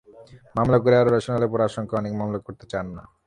মামলা করে আরও রোষানলে পড়ার আশঙ্কায় অনেকে মামলা করতে চান না।